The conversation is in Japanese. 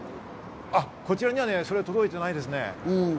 こちらには届いてないですね。